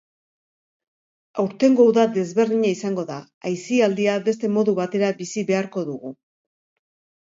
Aurtengo uda desberdina izango da, aisialdia beste modu batera bizi beharko dugu.